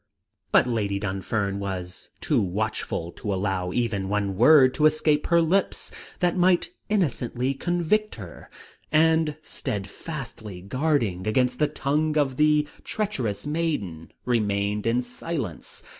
But Lady Dunfern was too watchful to allow even one word to escape her lips that might innocently convict her; and steadfastly guarding against the tongue of the treacherous maiden, remained in silence.